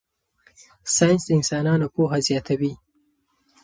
ساینس د انسانانو پوهه زیاتوي.